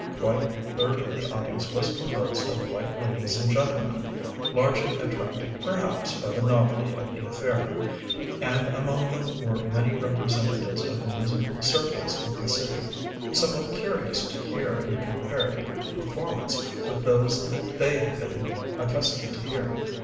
Quite a third of the audience was composed of white ladies and gentlemen, largely attracted, perhaps, by the novelty of the affair; and among them were many representatives of the musical circles of the city, somewhat curious to hear and compare the performance with those they have been accustomed to hear.